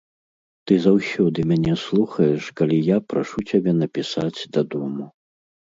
Ты заўсёды мяне слухаеш, калі я прашу цябе напісаць дадому.